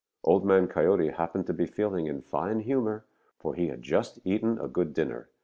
Old Man Coyote happened to be feeling in fine humor, for he had just eaten a good dinner.